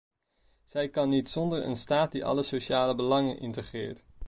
Zij kan niet zonder een staat die alle sociale belangen integreert.